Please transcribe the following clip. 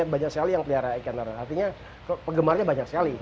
banyak sekali yang pelihara ikan nara artinya penggemarnya banyak sekali